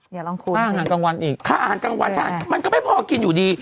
อย่าลองคูณค่าอาหารกลางวันอีกมันก็ไม่พอกินอยู่ดี